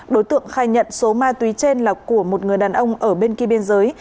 đối tượng khai nhận số ma túy trên là của một người đàn ông ở bên kia biên giới